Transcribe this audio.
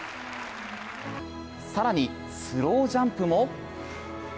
更に、スロウジャンプも。